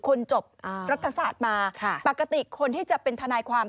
จบรัฐศาสตร์มาปกติคนที่จะเป็นทนายความ